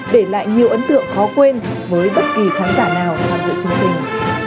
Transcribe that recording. để lại nhiều ấn tượng khó quên với bất kỳ khán giả nào tham dự chương trình